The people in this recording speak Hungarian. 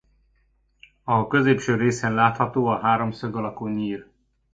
A középső részen látható a háromszög alakú nyír.